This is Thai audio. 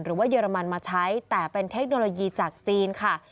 เยอรมันมาใช้แต่เป็นเทคโนโลยีจากจีนค่ะ